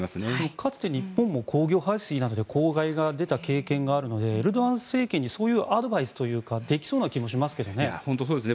かつて日本も工業廃水で公害が出た経験があるのでエルドアン政権にそういうアドバイスとかできそうな気もしますけどね。